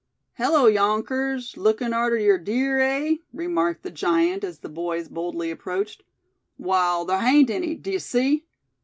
"Hullo! younkers, lookin' arter yer deer, hey?" remarked the giant, as the boys boldly approached. "Wall, they hain't any, d'ye see?